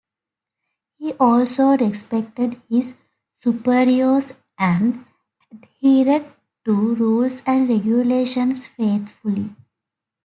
He also respected his superiors and adhered to rules and regulations faithfully.